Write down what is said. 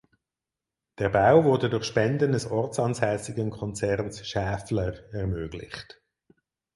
Der Bau wurde durch Spenden des ortsansässigen Konzerns Schaeffler ermöglicht.